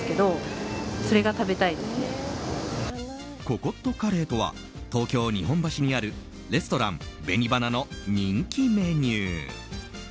ココットカレーとは東京・日本橋にあるレストラン紅花の人気メニュー。